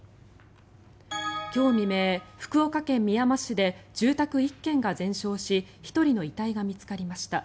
今日未明、福岡県みやま市で住宅１軒が全焼し１人の遺体が見つかりました。